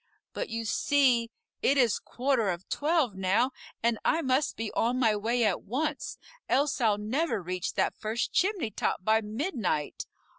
But you see it is quarter of twelve now, and I must be on my way at once, else I'll never reach that first chimney top by midnight.